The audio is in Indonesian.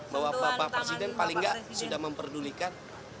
bahwa bapak presiden paling nggak sudah memperdulikan